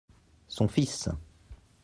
Son fils.